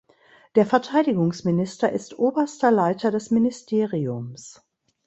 Der Verteidigungsminister ist oberster Leiter des Ministeriums.